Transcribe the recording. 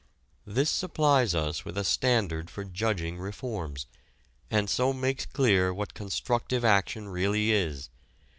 This supplies us with a standard for judging reforms, and so makes clear what "constructive" action really is.